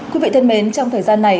quý vị thân mến trong thời gian này